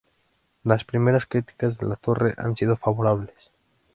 Las primeras críticas de la torre han sido favorables.